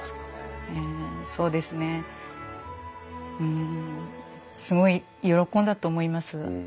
そうですねうんすごい喜んだと思います。